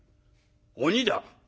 鬼だ。